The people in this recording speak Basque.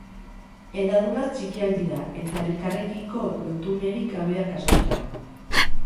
Hedaduraz txikiak dira eta elkarrekiko lotunerik gabeak askotan.